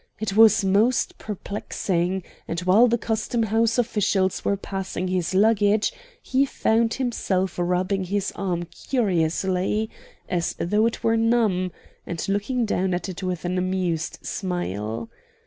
It was most perplexing; and while the custom house officials were passing his luggage, he found himself rubbing his arm curiously, as though it were numb, and looking down at it with an amused smile.